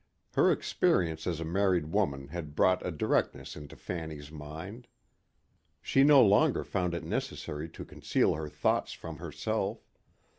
Her experience as a married woman had brought a directness into Fanny's mind. She no longer found it necessary to conceal her thoughts from herself.